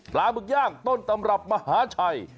หมึกย่างต้นตำรับมหาชัย